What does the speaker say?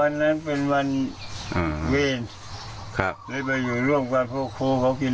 เรียกยังไง